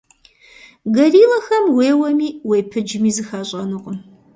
Гориллэхэм уеуэми, уепыджми, зэхащӀэнукъым.